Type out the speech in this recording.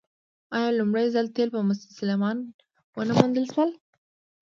آیا لومړی ځل تیل په مسجد سلیمان کې ونه موندل شول؟